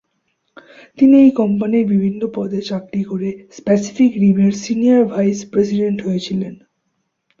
তিনি এই কোম্পানির বিভিন্ন পদে চাকরি করে প্যাসিফিক রিম এর সিনিয়র ভাইস প্রেসিডেন্ট হয়েছিলেন।